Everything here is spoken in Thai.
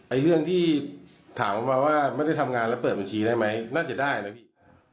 เรื่องที่ถามมาว่าไม่ได้ทำงานแล้วเปิดบัญชีได้ไหมน่าจะได้นะพี่